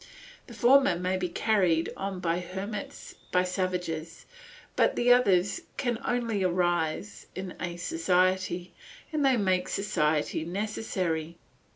The former may be carried on by hermits, by savages, but the others can only arise in a society, and they make society necessary.